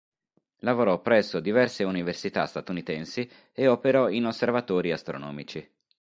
Lavorò presso diverse università statunitensi e operò in osservatori astronomici.